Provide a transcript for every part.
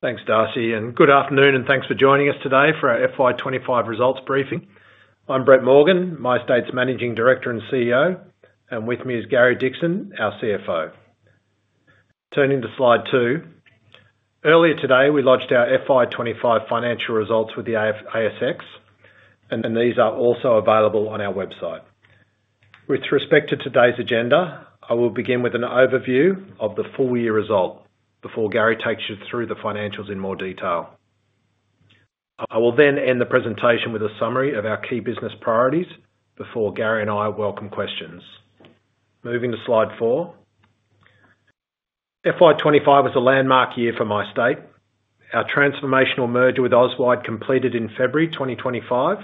Thanks, Darcy, and good afternoon, and thanks for joining us today for our FY 2025 results briefing. I'm Brett Morgan, MyState Limited's Managing Director and CEO, and with me is Gary Dickson, our CFO. Turning to slide two, earlier today we launched our FY 2025 financial results with the ASX, and these are also available on our website. With respect to today's agenda, I will begin with an overview of the full-year result before Gary takes you through the financials in more detail. I will then end the presentation with a summary of our key business priorities before Gary and I welcome questions. Moving to slide four, FY 2025 is a landmark year for MyState. Our transformational merger with Auswide completed in February 2025,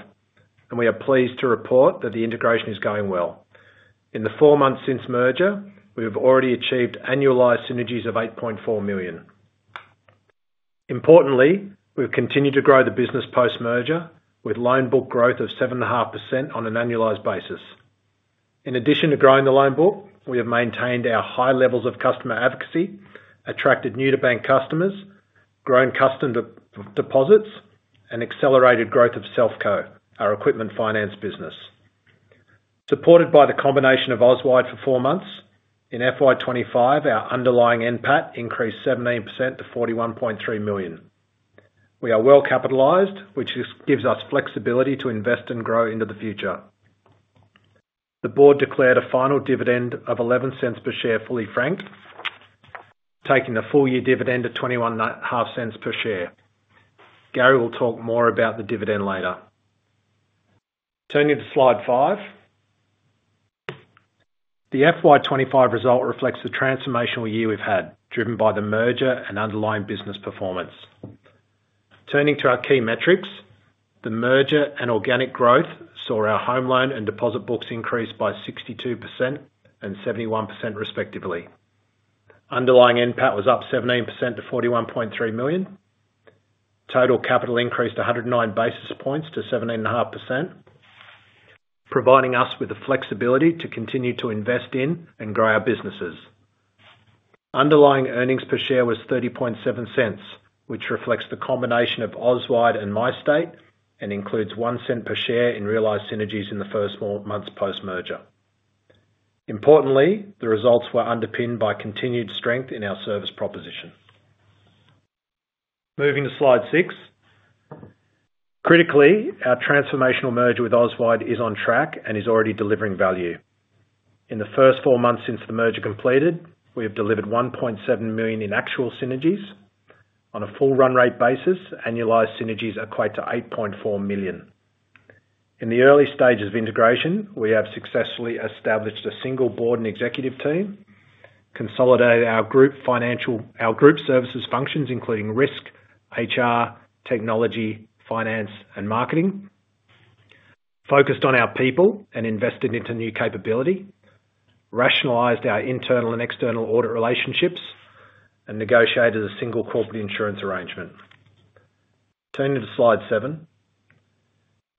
and we are pleased to report that the integration is going well. In the four months since merger, we have already achieved annualised cost synergies of 8.4 million. Importantly, we've continued to grow the business post-merger with loan book growth of 7.5% on an annualised basis. In addition to growing the loan book, we have maintained our high levels of customer advocacy, attracted new-to-bank customers, grown customer deposits, and accelerated growth of Selfco, our equipment finance business. Supported by the combination of Auswide for four months, in FY 2025 our underlying NPAT increased 17% to 41.3 million. We are well capitalised, which gives us flexibility to invest and grow into the future. The board declared a final dividend of 0.11 per share, fully franked, taking the full-year dividend to AUD 0.215 per share. Gary will talk more about the dividend later. Turning to slide five, the FY 2025 result reflects the transformational year we've had, driven by the merger and underlying business performance. Turning to our key metrics, the merger and organic growth saw our home loan and deposit books increase by 62% and 71% respectively. Underlying NPAT was up 17% to 41.3 million. Total capital ratio increased 109 basis points to 17.5%, providing us with the flexibility to continue to invest in and grow our businesses. Underlying EPS was 0.307, which reflects the combination of Auswide and MyState Limited and includes 0.01 per share in realised synergies in the first months post-merger. Importantly, the results were underpinned by continued strength in our service proposition. Moving to slide six, critically, our transformational merger with Auswide is on track and is already delivering value. In the first four months since the merger completed, we have delivered 1.7 million in actual synergies. On a full run-rate basis, annualised synergies equate to 8.4 million. In the early stages of integration, we have successfully established a single Board and Executive Team, consolidated our group financial, our group services functions including risk, HR, technology, finance, and marketing, focused on our people and invested into new capability, rationalised our internal and external audit relationships, and negotiated a single corporate insurance arrangement. Turning to slide seven,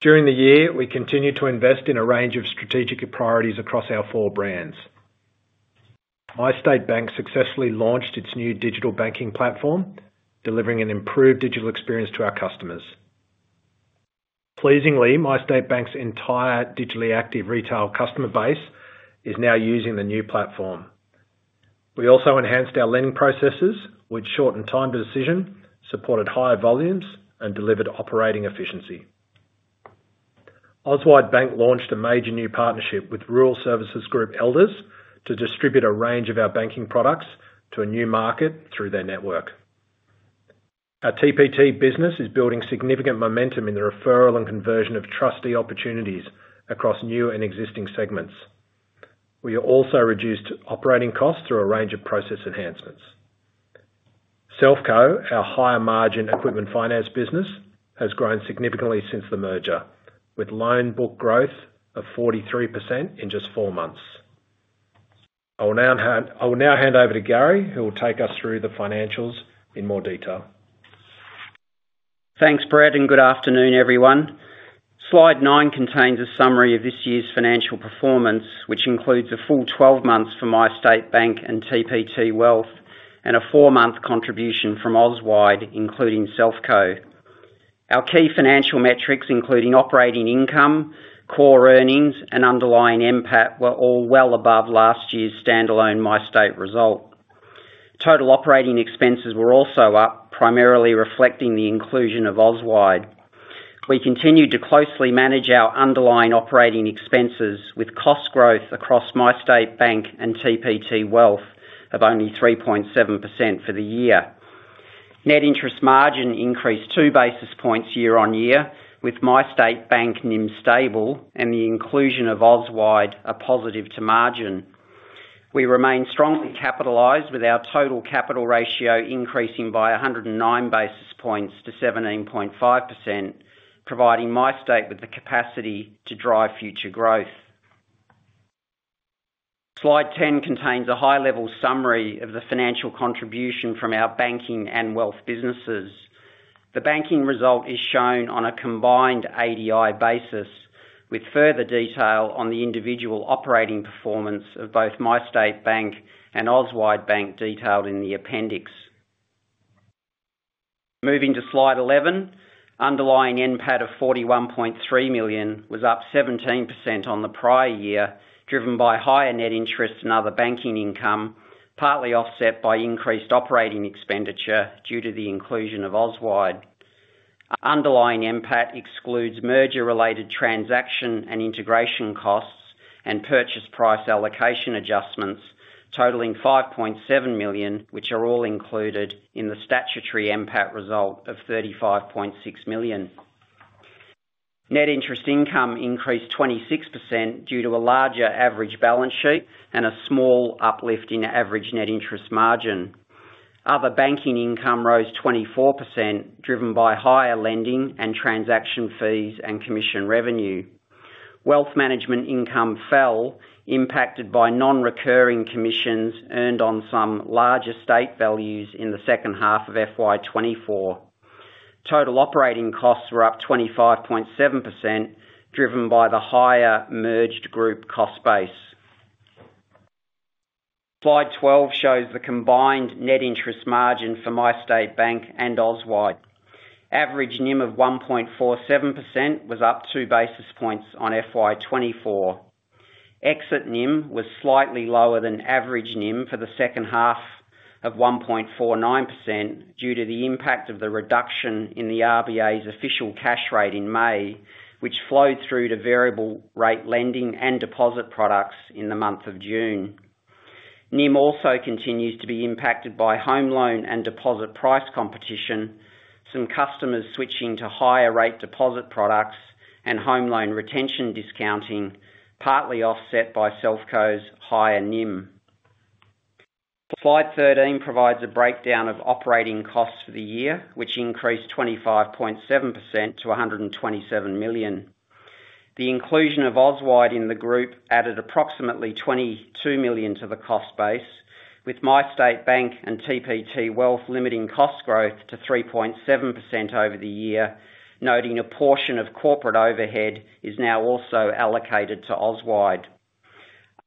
during the year, we continued to invest in a range of strategic priorities across our four brands. MyState Bank successfully launched its new digital banking platform, delivering an improved digital experience to our customers. Pleasingly, MyState Bank's entire digitally active retail customer base is now using the new platform. We also enhanced our lending processes, which shortened time to decision, supported higher volumes, and delivered operating efficiency. Auswide Bank launched a major new partnership with Rural Services Group Elders to distribute a range of our banking products to a new market through their network. Our TPT business is building significant momentum in the referral and conversion of trustee opportunities across new and existing segments. We have also reduced operating costs through a range of process enhancements. Selfco, our higher margin equipment finance business, has grown significantly since the merger, with loan book growth of 43% in just four months. I will now hand over to Gary, who will take us through the financials in more detail. Thanks, Brett, and good afternoon, everyone. Slide nine contains a summary of this year's financial performance, which includes a full 12 months for MyState Bank and TPT Wealth, and a four-month contribution from Auswide, including Selfco. Our key financial metrics, including operating income, core earnings, and underlying NPAT, were all well above last year's standalone MyState result. Total operating expenses were also up, primarily reflecting the inclusion of Auswide. We continued to closely manage our underlying operating expenses, with cost growth across MyState Bank and TPT Wealth of only 3.7% for the year. Net interest margin increased two basis points year on year, with MyState Bank NIM stable and the inclusion of Auswide a positive to margin. We remain strongly capitalized with our total capital ratio increasing by 109 basis points to 17.5%, providing MyState with the capacity to drive future growth. Slide 10 contains a high-level summary of the financial contribution from our banking and wealth businesses. The banking result is shown on a combined ADI basis, with further detail on the individual operating performance of both MyState Bank and Auswide Bank detailed in the appendix. Moving to slide 11, underlying NPAT of 41.3 million was up 17% on the prior year, driven by higher net interest and other banking income, partly offset by increased operating expenditure due to the inclusion of Auswide. Underlying NPAT excludes merger-related transaction and integration costs and purchase price allocation adjustments, totaling 5.7 million, which are all included in the statutory NPAT result of 35.6 million. Net interest income increased 26% due to a larger average balance sheet and a small uplift in average net interest margin. Other banking income rose 24%, driven by higher lending and transaction fees and commission revenue. Wealth management income fell, impacted by non-recurring commissions earned on some large estate values in the second half of FY 2024. Total operating costs were up 25.7%, driven by the higher merged group cost base. Slide 12 shows the combined net interest margin for MyState Bank and Auswide. Average NIM of 1.47% was up two basis points on FY 2024. Exit NIM was slightly lower than average NIM for the second half of 1.49% due to the impact of the reduction in the RBA's official cash rate in May, which flowed through to variable rate lending and deposit products in the month of June. NIM also continues to be impacted by home loan and deposit price competition, some customers switching to higher rate deposit products and home loan retention discounting, partly offset by Selfco's higher NIM. Slide 13 provides a breakdown of operating costs for the year, which increased 25.7% to 127 million. The inclusion of Auswide in the group added approximately 22 million to the cost base, with MyState Bank and TPT Wealth limiting cost growth to 3.7% over the year, noting a portion of corporate overhead is now also allocated to Auswide.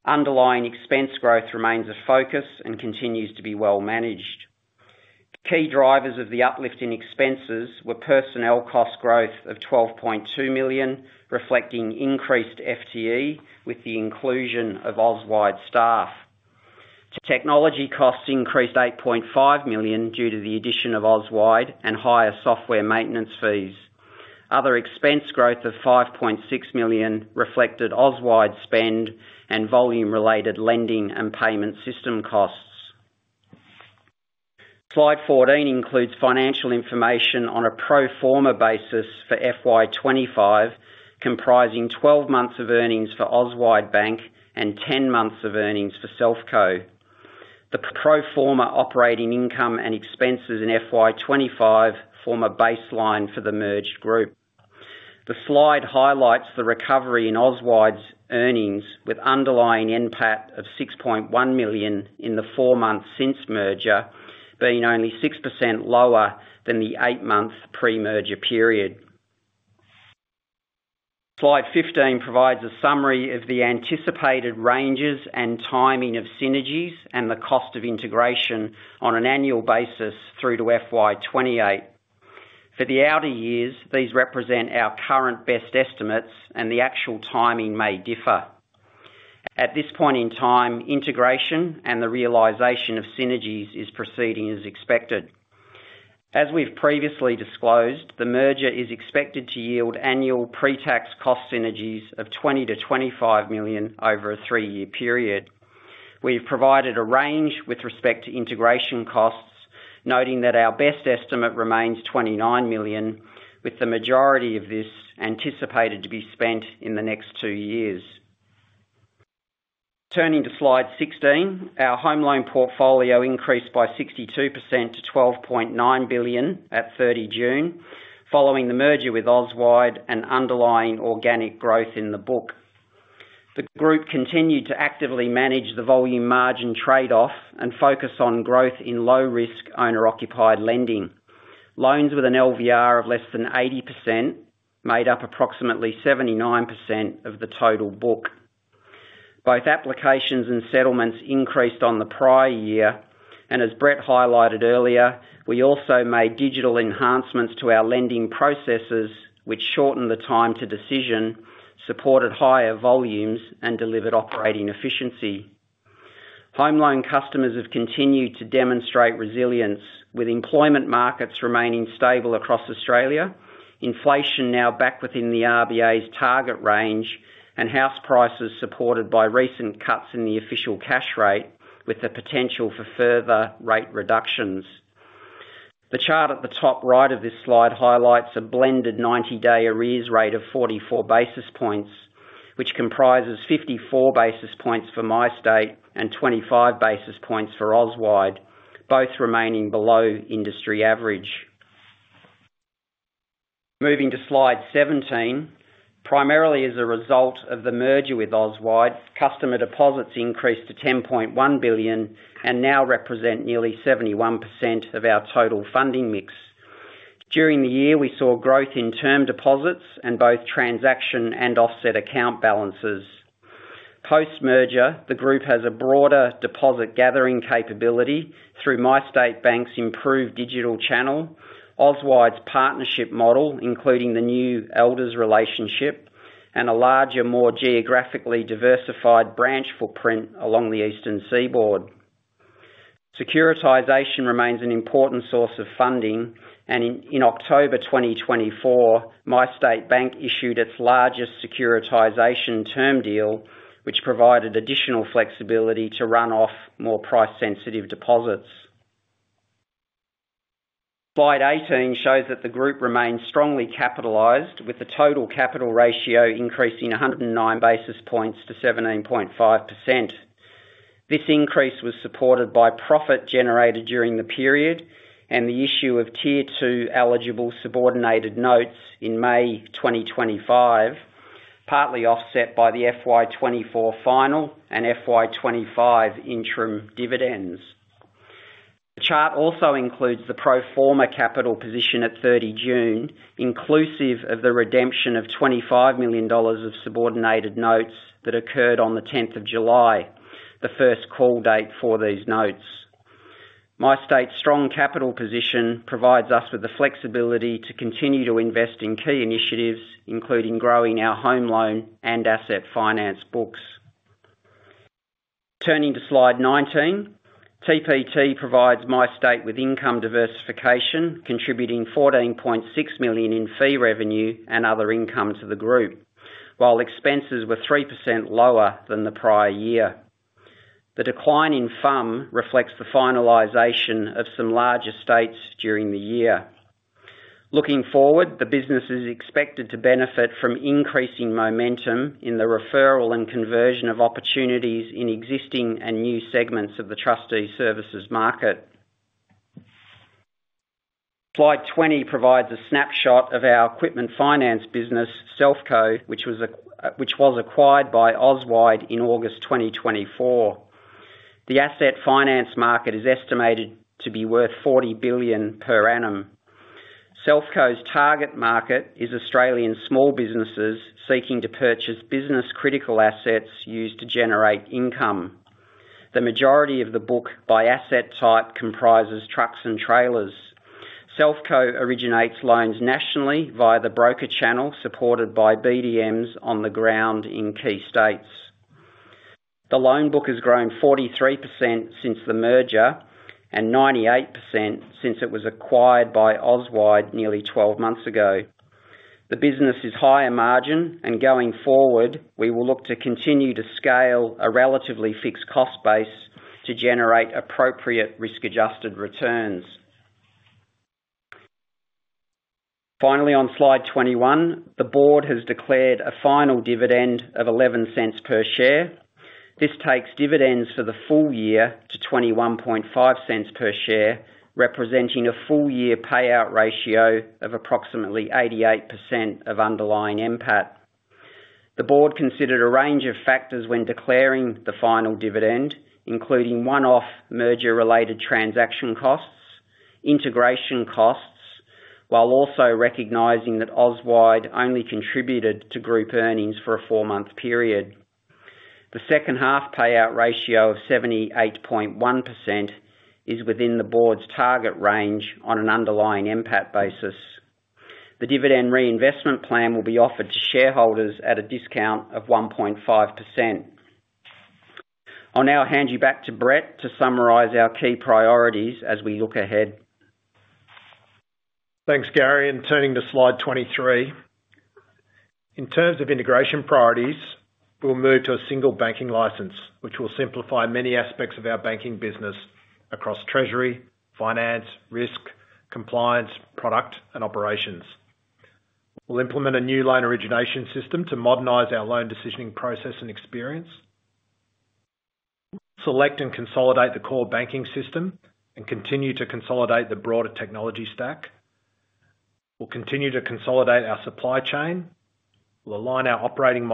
Underlying expense growth remains a focus and continues to be well managed. Key drivers of the uplift in expenses were personnel cost growth of 12.2 million, reflecting increased FTE with the inclusion of Auswide staff. Technology costs increased 8.5 million due to the addition of Auswide and higher software maintenance fees. Other expense growth of 5.6 million reflected Auswide spend and volume-related lending and payment system costs. Slide 14 includes financial information on a pro forma basis for FY 2025, comprising 12 months of earnings for Auswide Bank and 10 months of earnings for Selfco. The pro forma operating income and expenses in FY 2025 form a baseline for the merged group. The slide highlights the recovery in Auswide's earnings, with underlying NPAT of 6.1 million in the four months since merger, being only 6% lower than the eight-month pre-merger period. Slide 15 provides a summary of the anticipated ranges and timing of synergies and the cost of integration on an annual basis through to FY 2028. For the outer years, these represent our current best estimates, and the actual timing may differ. At this point in time, integration and the realisation of synergies is proceeding as expected. As we've previously disclosed, the merger is expected to yield annual pre-tax cost synergies of 20-25 million over a three-year period. We've provided a range with respect to integration costs, noting that our best estimate remains 29 million, with the majority of this anticipated to be spent in the next two years. Turning to slide 16, our home loan portfolio increased by 62% to 12.9 billion at 30 June, following the merger with Auswide and underlying organic growth in the book. The group continued to actively manage the volume margin trade-off and focus on growth in low-risk owner-occupied lending. Loans with an LVR of less than 80% made up approximately 79% of the total book. Both applications and settlements increased on the prior year, and as Brett highlighted earlier, we also made digital enhancements to our lending processes, which shortened the time to decision, supported higher volumes, and delivered operating efficiency. Home loan customers have continued to demonstrate resilience, with employment markets remaining stable across Australia, inflation now back within the RBA's target range, and house prices supported by recent cuts in the official cash rate, with the potential for further rate reductions. The chart at the top right of this slide highlights a blended 90-day arrears rate of 44 basis points, which comprises 54 basis points for MyState and 25 basis points for Auswide, both remaining below industry average. Moving to slide 17, primarily as a result of the merger with Auswide, customer deposits increased to 10.1 billion and now represent nearly 71% of our total funding mix. During the year, we saw growth in term deposits and both transaction and offset account balances. Post-merger, the group has a broader deposit gathering capability through MyState Bank's improved digital channel, Auswide's partnership model including the new Elders relationship, and a larger, more geographically diversified branch footprint along the Eastern Seaboard. Securitization remains an important source of funding, and in October 2024, MyState Bank issued its largest securitization term deal, which provided additional flexibility to run off more price-sensitive deposits. Slide 18 shows that the group remains strongly capitalized, with the total capital ratio increasing 109 basis points to 17.5%. This increase was supported by profit generated during the period and the issue of tier 2 eligible subordinated notes in May 2025, partly offset by the FY 2024 final and FY 2025 interim dividends. The chart also includes the pro forma capital position at June 30, inclusive of the redemption of 25 million dollars of subordinated notes that occurred on July 10, the first call date for these notes. MyState's strong capital position provides us with the flexibility to continue to invest in key initiatives, including growing our home loan and asset finance books. Turning to slide 19, TPT provides MyState with income diversification, contributing 14.6 million in fee revenue and other income to the group, while expenses were 3% lower than the prior year. The decline in FUM reflects the finalization of some large estates during the year. Looking forward, the business is expected to benefit from increasing momentum in the referral and conversion of opportunities in existing and new segments of the trustee services market. Slide 20 provides a snapshot of our equipment finance business, Selfco, which was acquired by Auswide in August 2024. The asset finance market is estimated to be worth 40 billion per annum. Selfco's target market is Australian small businesses seeking to purchase business-critical assets used to generate income. The majority of the book by asset type comprises trucks and trailers. Selfco originates loans nationally via the broker channel, supported by BDMs on the ground in key states. The loan book has grown 43% since the merger and 98% since it was acquired by Auswide nearly 12 months ago. The business is higher margin, and going forward, we will look to continue to scale a relatively fixed cost base to generate appropriate risk-adjusted returns. Finally, on slide 21, the board has declared a final dividend of 0.11 per share. This takes dividends for the full year to 0.215 per share, representing a full-year payout ratio of approximately 88% of underlying NPAT. The board considered a range of factors when declaring the final dividend, including one-off merger-related transaction costs and integration costs, while also recognizing that Auswide only contributed to group earnings for a four-month period. The second-half payout ratio of 78.1% is within the board's target range on an underlying NPAT basis. The dividend reinvestment plan will be offered to shareholders at a discount of 1.5%. I'll now hand you back to Brett to summarize our key priorities as we look ahead. Thanks, Gary, and turning to slide 23. In terms of integration priorities, we'll move to a single banking license, which will simplify many aspects of our banking business across treasury, finance, risk, compliance, product, and operations. We'll implement a new loan origination system to modernize our loan decisioning process and experience, select and consolidate the core banking system, and continue to consolidate the broader technology stack. We'll continue to consolidate our supply chain, we'll align our operating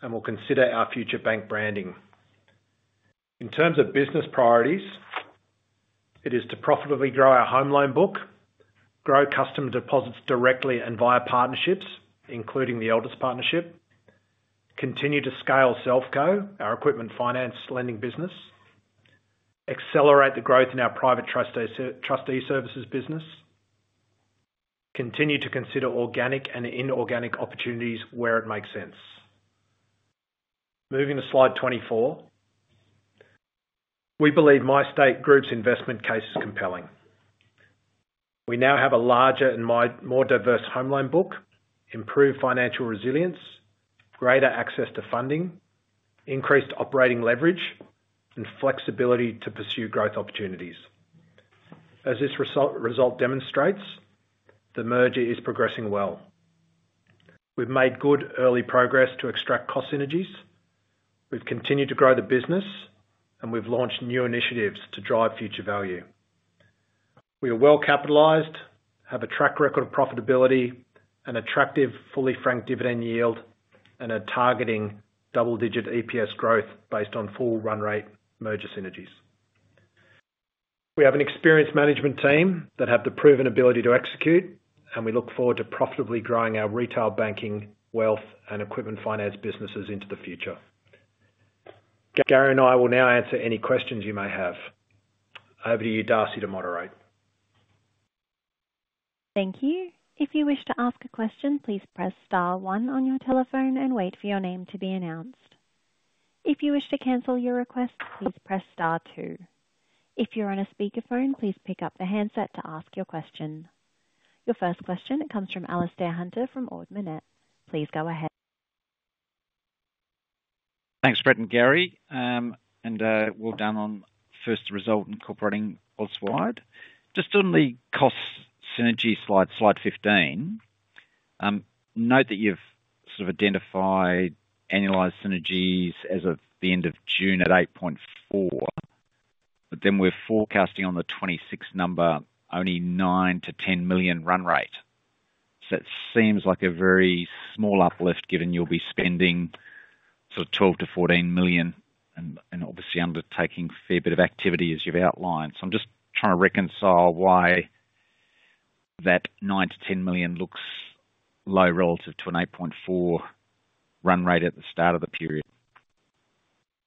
model, and we'll consider our future bank branding. In terms of business priorities, it is to profitably grow our home loan book, grow customer deposits directly and via partnerships, including the Elders partnership, continue to scale Selfco, our equipment finance lending business, accelerate the growth in our private trustee services business, continue to consider organic and inorganic opportunities where it makes sense. Moving to slide 24, we believe MyState Group investment case is compelling. We now have a larger and more diverse home loan book, improved financial resilience, greater access to funding, increased operating leverage, and flexibility to pursue growth opportunities. As this result demonstrates, the merger is progressing well. We've made good early progress to extract cost synergies, we've continued to grow the business, and we've launched new initiatives to drive future value. We are well capitalized, have a track record of profitability, an attractive, fully franked dividend yield, and are targeting double-digit EPS growth based on full run-rate merger synergies. We have an experienced management team that have the proven ability to execute, and we look forward to profitably growing our retail banking, wealth, and equipment finance businesses into the future. Gary and I will now answer any questions you may have. Over to you, Darcy, to moderate. Thank you. If you wish to ask a question, please press star one on your telephone and wait for your name to be announced. If you wish to cancel your request, please press star two. If you're on a speakerphone, please pick up the handset to ask your question. Your first question comes from Alastair Hunter from Ord Minnet. Please go ahead. Thanks, Brett and Gary. We're down on first result incorporating Auswide. Just on the cost synergy slide, slide 15, note that you've sort of identified annualised cost synergies as of the end of June at 8.4 million, but then we're forecasting on the 2026 number only 9 million-10 million run rate. It seems like a very small uplift given you'll be spending 12 million-14 million and obviously undertaking a fair bit of activity as you've outlined. I'm just trying to reconcile why that 9 million-10 million looks low relative to an 8.4 million run rate at the start of the period.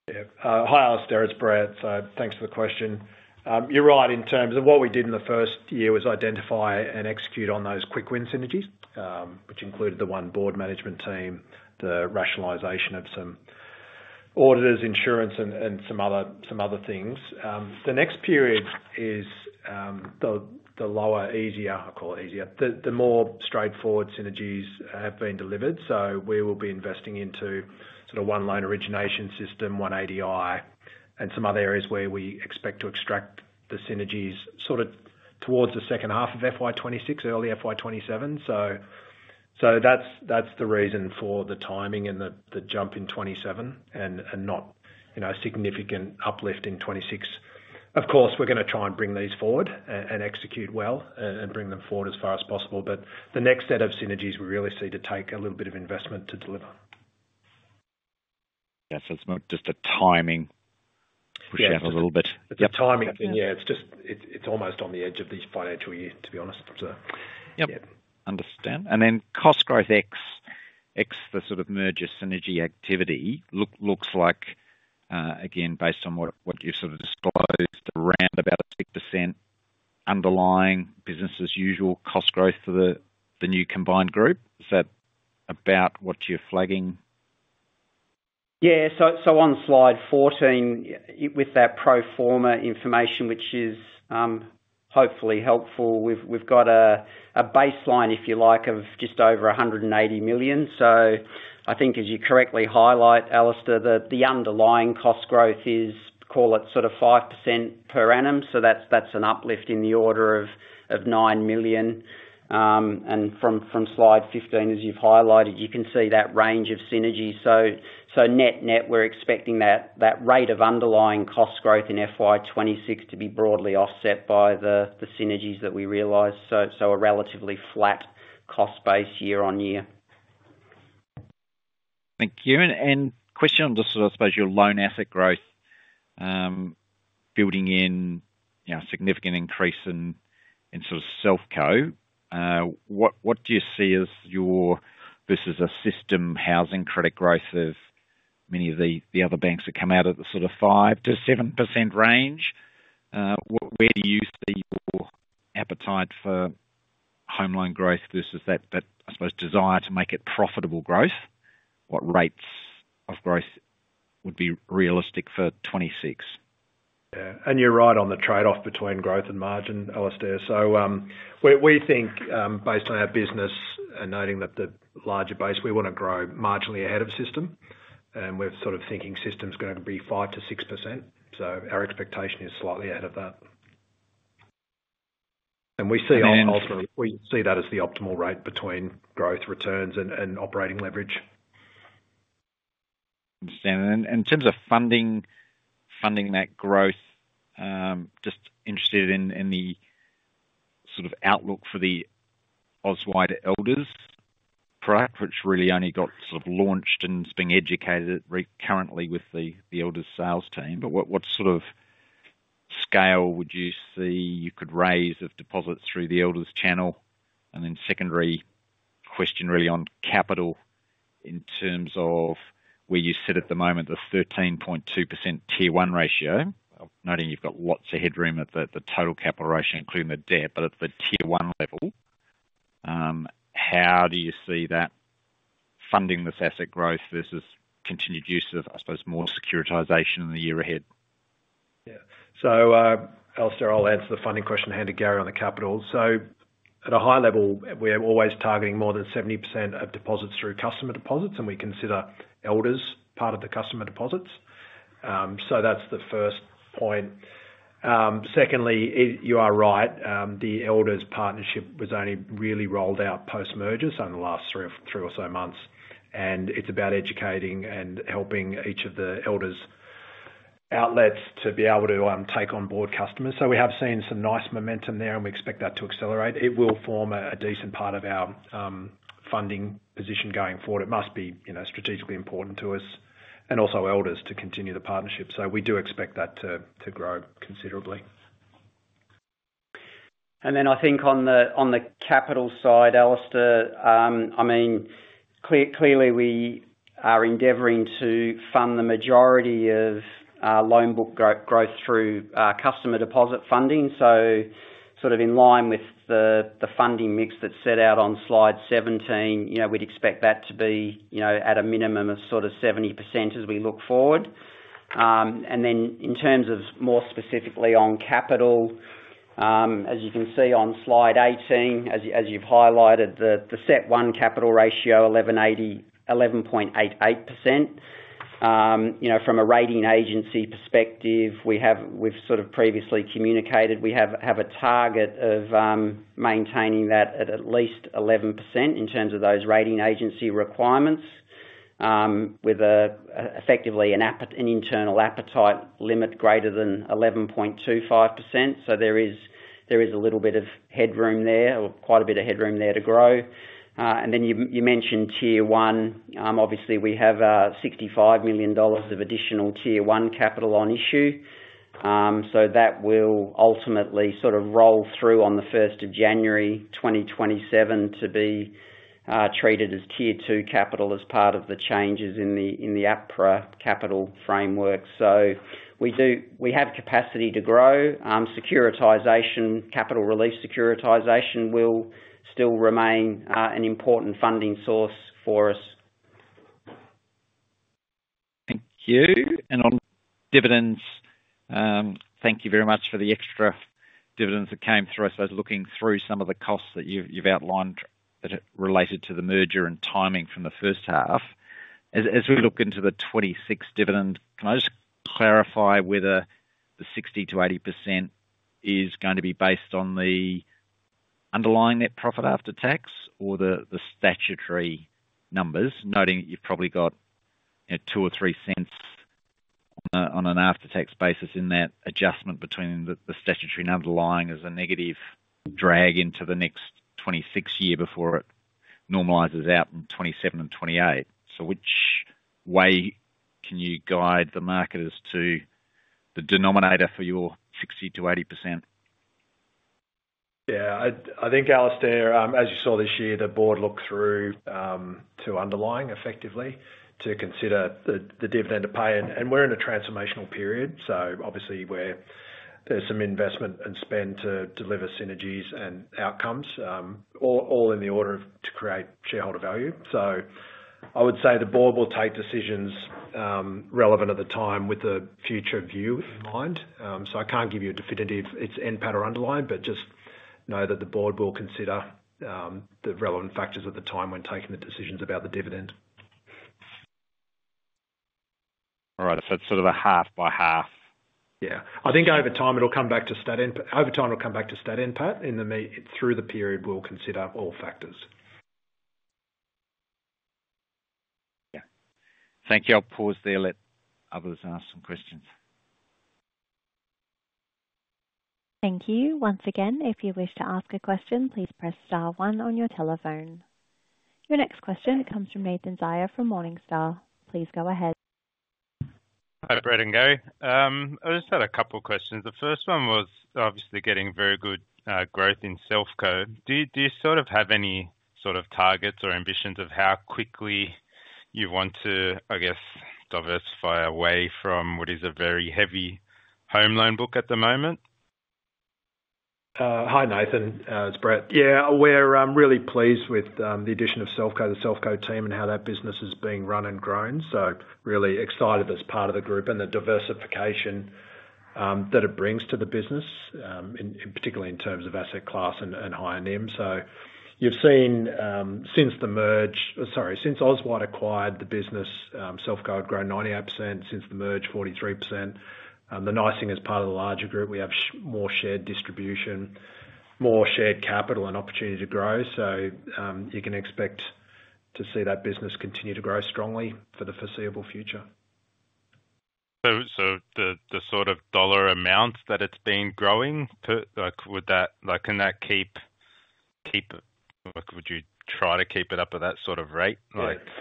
Yeah, hi Alastair, it's Brett. Thanks for the question. You're right, in terms of what we did in the first year was identify and execute on those quick win synergies, which included the one board management team, the rationalization of some auditors, insurance, and some other things. The next period is the lower, easier, I'll call it easier, the more straightforward synergies have been delivered. We will be investing into sort of one loan origination system, one ADI, and some other areas where we expect to extract the synergies towards the second half of FY 2026, early FY 2027. That's the reason for the timing and the jump in 2027 and not a significant uplift in 2026. Of course, we're going to try and bring these forward and execute well and bring them forward as far as possible, but the next set of synergies we really see to take a little bit of investment to deliver. Yeah, it's not just the timing. Push that a little bit. It's the timing, it's just, it's almost on the edge of the financial year, to be honest. Yep, understand. Cost growth, excluding the sort of merger synergy activity, looks like, again, based on what you've sort of disclosed, around about a 6% underlying business as usual cost growth for the new combined group. Is that about what you're flagging? Yeah, on slide 14, with that pro forma information, which is hopefully helpful, we've got a baseline, if you like, of just over 180 million. I think, as you correctly highlight, Alastair, the underlying cost growth is, call it sort of 5% per annum, so that's an uplift in the order of 9 million. From slide 15, as you've highlighted, you can see that range of synergies, so net net, we're expecting that rate of underlying cost growth in FY 2026 to be broadly offset by the synergies that we realize, so a relatively flat cost base year on year. Thank you. A question on your loan asset growth, building in a significant increase in Selfco. What do you see as your, this is a system housing credit growth of many of the other banks that come out of the 5%-7% range? Where do you see your appetite for home loan growth versus that desire to make it profitable growth? What rates of growth would be realistic for 2026? Yeah, you're right on the trade-off between growth and margin, Alastair. We think, based on our business and noting the larger base, we want to grow marginally ahead of the system. We're sort of thinking system's going to be 5%-6%, so our expectation is slightly ahead of that. We see ultimately, we see that as the optimal rate between growth returns and operating leverage. Understand. In terms of funding that growth, just interested in the sort of outlook for the Auswide Elders product, which really only got sort of launched and is being educated currently with the Elders sales team. What sort of scale would you see you could raise of deposits through the Elders channel? Secondary question really on capital in terms of where you sit at the moment, the 13.2% tier 1 ratio, noting you've got lots of headroom at the total capital ratio including the debt, but at the tier 1 level, how do you see that funding this asset growth versus continued use of, I suppose, more securitisation in the year ahead? Yeah, Alastair, I'll answer the funding question and hand to Gary on the capital. At a high level, we're always targeting more than 70% of deposits through customer deposits, and we consider Elders part of the customer deposits. That's the first point. Secondly, you are right, the Elders partnership was only really rolled out post-merger, in the last three or so months, and it's about educating and helping each of the Elders outlets to be able to take on board customers. We have seen some nice momentum there, and we expect that to accelerate. It will form a decent part of our funding position going forward. It must be strategically important to us and also Elders to continue the partnership. We do expect that to grow considerably. I think on the capital side, Alastair, clearly we are endeavoring to fund the majority of loan book growth through customer deposit funding. In line with the funding mix that's set out on slide 17, we'd expect that to be at a minimum of 70% as we look forward. In terms of more specifically on capital, as you can see on slide 18, as you've highlighted, the CET1 capital ratio is 11.88%. From a rating agency perspective, we've previously communicated we have a target of maintaining that at at least 11% in terms of those rating agency requirements, with effectively an internal appetite limit greater than 11.25%. There is a little bit of headroom there, or quite a bit of headroom there to grow. You mentioned tier 1, obviously we have 65 million dollars of additional tier 1 capital on issue. That will ultimately roll through on January 2027 to be treated as tier 2 capital as part of the changes in the APRA capital framework. We have capacity to grow. Securitization, capital release securitization, will still remain an important funding source for us. Thank you. On dividends, thank you very much for the extra dividends that came through. I suppose, looking through some of the costs that you've outlined that are related to the merger and timing from the first half, as we look into the 2026 dividend, can I just clarify whether the 60%-80% is going to be based on the underlying NPAT or the statutory numbers, noting that you've probably got 0.02 or 0.03 on an after-tax basis in that adjustment between the statutory and underlying as a negative drag into the next 2026 year before it normalizes out in 2027 and 2028. Which way can you guide the market as to the denominator for your 60%-80%? Yeah, I think Alastair, as you saw this year, the board looked through to underlying effectively to consider the dividend to pay, and we're in a transformational period. Obviously, there's some investment and spend to deliver synergies and outcomes, all in the order to create shareholder value. I would say the board will take decisions relevant at the time with the future view in mind. I can't give you a definitive end pattern underlying, but just know that the board will consider the relevant factors at the time when taking the decisions about the dividend. All right, if it's sort of a half by half. I think over time it'll come back to status, but in the mean through the period we'll consider all factors. Thank you. I'll pause there, let others ask some questions. Thank you. Once again, if you wish to ask a question, please press star one on your telephone. Your next question comes from Nathan Zaia from Morningstar. Please go ahead. Hi, Brett and Gary. I just had a couple of questions. The first one was obviously getting very good growth in Selfco. Do you have any sort of targets or ambitions of how quickly you want to, I guess, diversify away from what is a very heavy home loan book at the moment? Hi Nathan, it's Brett. We're really pleased with the addition of Selfco, the Selfco team, and how that business is being run and grown. Really excited as part of the group and the diversification that it brings to the business, particularly in terms of asset class and higher NIM. You've seen since the merger, sorry, since Auswide acquired the business, Selfco had grown 98% since the merger, 43%. The nice thing is part of the larger group, we have more shared distribution, more shared capital, and opportunity to grow. You can expect to see that business continue to grow strongly for the foreseeable future. The sort of dollar amounts that it's been growing, would that, can that keep, would you try to keep it up at that sort of rate?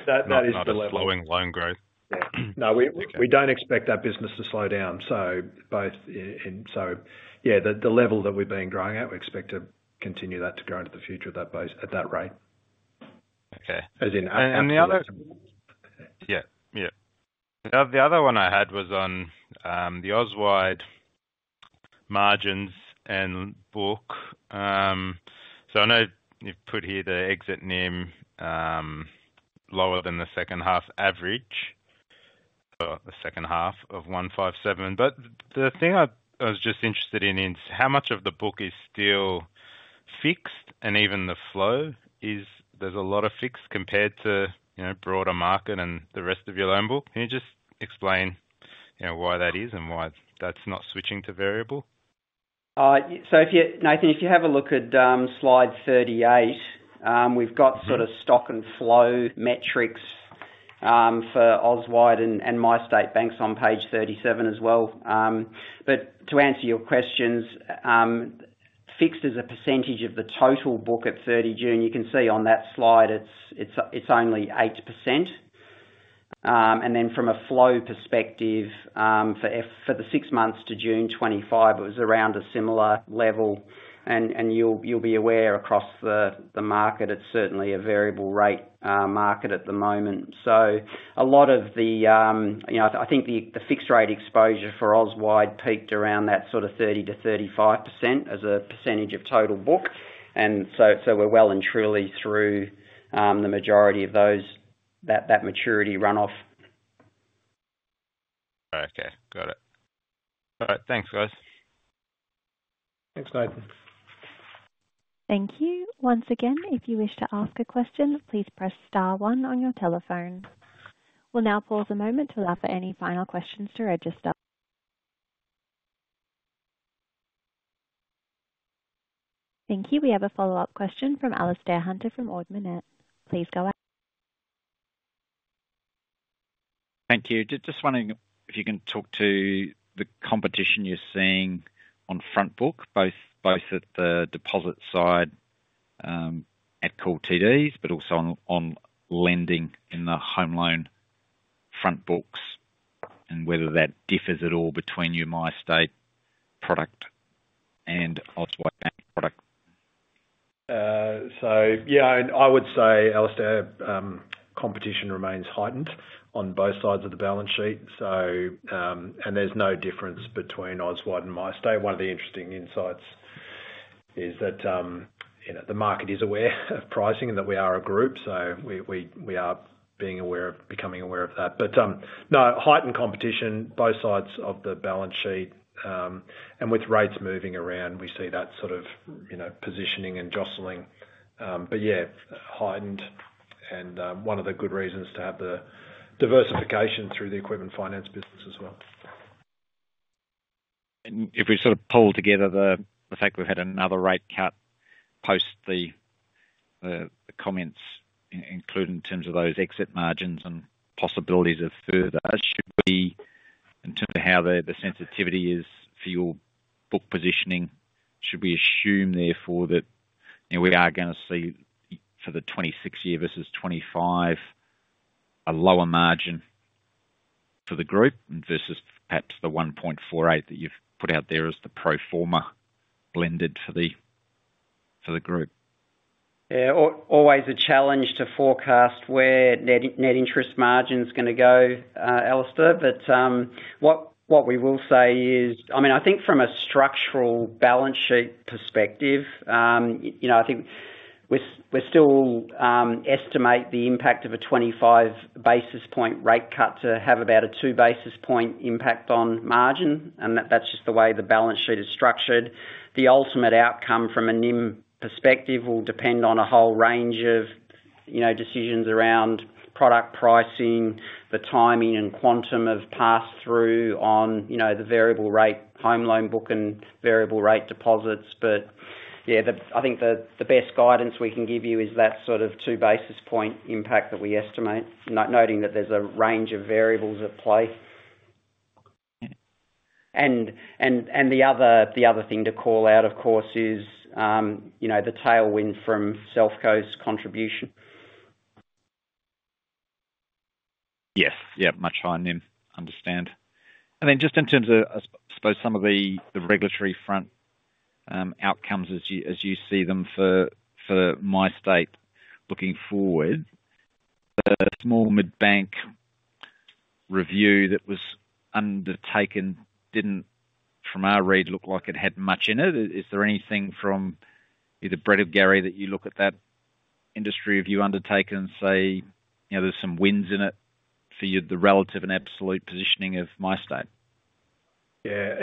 The flowing loan growth That is. No, we don't expect that business to slow down. The level that we've been growing at, we expect to continue that to grow into the future at that rate. Now the other one I had was on the Auswide margins and book. I know you've put here the exit NIM lower than the second half average, or the second half of 1.57%, but the thing I was just interested in is how much of the book is still fixed and even the flow is, there's a lot of fixed compared to, you know, broader market and the rest of your loan book. Can you just explain why that is and why that's not switching to variable? If you have a look at slide 38, we've got sort of stock and flow metrics for Auswide and MyState Bank on page 37 as well. To answer your questions, fixed is a percentage of the total book at 30 June. You can see on that slide, it's only 8%. From a flow perspective, for the six months to June 2025, it was around a similar level. You'll be aware across the market, it's certainly a variable rate market at the moment. I think the fixed rate exposure for Auswide peaked around that sort of 30% to 35% as a percentage of total book. We're well and truly through the majority of those, that maturity runoff. Okay, got it. All right, thanks, guys. Thanks, Nat. Thank you. Once again, if you wish to ask a question, please press star one on your telephone. We'll now pause a moment to allow for any final questions to register. Thank you. We have a follow-up question from Alastair Hunter from Ord Minnett. Please go ahead. Thank you. Just wondering if you can talk to the competition you're seeing on front book, both at the deposit side at call TDs, but also on lending in the home loan front books, and whether that differs at all between your MyState product and Auswide Bank product. I would say, Alastair, competition remains heightened on both sides of the balance sheet. There's no difference between Auswide and MyState. One of the interesting insights is that the market is aware of pricing and that we are a group. We are becoming aware of that. Heightened competition exists on both sides of the balance sheet. With rates moving around, we see that sort of positioning and jostling. Heightened competition is present, and one of the good reasons to have the diversification through the equipment finance business as well. If we sort of pull together the fact we've had another rate cut post the comments included in terms of those exit margins and possibilities of further, should we, in terms of how the sensitivity is for your book positioning, should we assume therefore that we are going to see for the 2026 year versus 2025 a lower margin for the group versus perhaps the 1.48% that you've put out there as the pro forma lended for the group? Yeah, always a challenge to forecast where net interest margin is going to go, Alastair. What we will say is, I think from a structural balance sheet perspective, we're still estimating the impact of a 25 basis point rate cut to have about a 2 basis point impact on margin. That's just the way the balance sheet is structured. The ultimate outcome from a NIM perspective will depend on a whole range of decisions around product pricing, the timing and quantum of pass-through on the variable rate home loan book and variable rate deposits. I think the best guidance we can give you is that sort of 2 basis point impact that we estimate, noting that there's a range of variables at play. The other thing to call out, of course, is the tailwind from Selfco's contribution. Yes, much higher NIM, understand. I mean, just in terms of, I suppose, some of the regulatory front outcomes as you see them for MyState, looking forward, the small mid-bank review that was undertaken didn't, from our read, look like it had much in it. Is there anything from either Brett or Gary that you look at that industry have you undertaken and say, you know, there's some wins in it for you, the relative and absolute positioning of MyState? Yeah,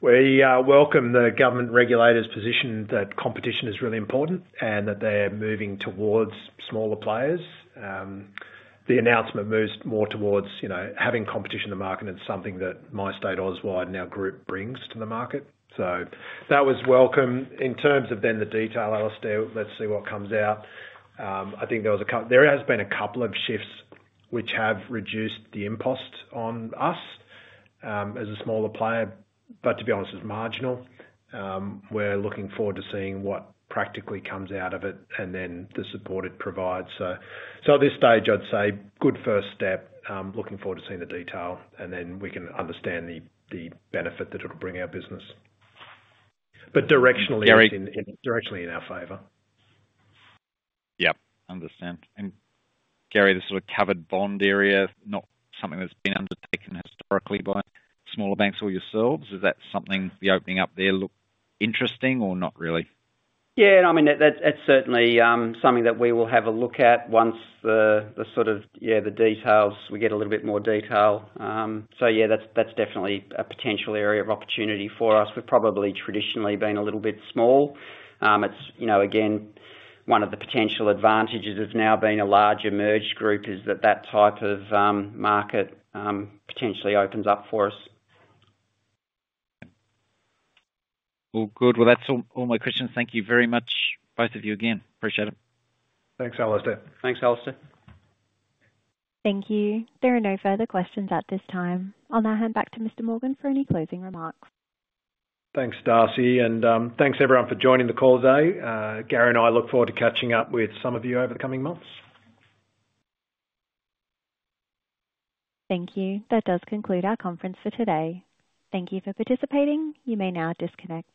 we welcome the government regulators' position that competition is really important and that they're moving towards smaller players. The announcement moves more towards having competition in the market and it's something that MyState, Auswide and our group brings to the market. That was welcome. In terms of the detail, Alastair, let's see what comes out. I think there have been a couple of shifts which have reduced the impost on us as a smaller player, but to be honest, it's marginal. We're looking forward to seeing what practically comes out of it and the support it provides. At this stage, I'd say good first step, looking forward to seeing the detail and then we can understand the benefit that it'll bring our business. Directionally, it's in our favor. Yep, understand. Gary, the sort of covered bond area is not something that's been undertaken historically by smaller banks or yourselves. Is that something, the opening up there looked interesting or not really? That's certainly something that we will have a look at once we get a little bit more detail. That's definitely a potential area of opportunity for us. We've probably traditionally been a little bit small. One of the potential advantages of now being a large merged group is that that type of market potentially opens up for us. That's all my questions. Thank you very much, both of you again. Appreciate it. Thanks, Alastair. Thanks, Alastair. Thank you. There are no further questions at this time. I'll now hand back to Mr. Morgan for any closing remarks. Thanks, Darcy, and thanks everyone for joining the call today. Gary and I look forward to catching up with some of you over the coming months. Thank you. That does conclude our conference for today. Thank you for participating. You may now disconnect.